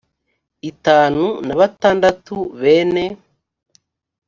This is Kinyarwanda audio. itanu na batandatu bene